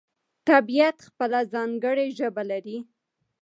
طبیعت خپله ځانګړې ژبه لري.